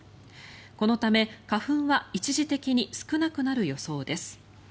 このため、花粉は一時的に少なくなる予想です。